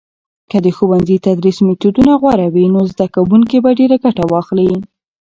که د ښوونځي تدریس میتودونه غوره وي، نو زده کوونکي به ډیر ګټه واخلي.